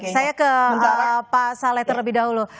saya ke pak saleh terlebih dahulu